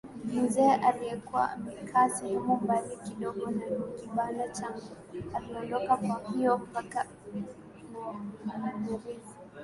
mzee aliyekuwa amekaa sehemu mbali kidogo na kibanda changu aliondoka Kwa hiyo mpaka namaliza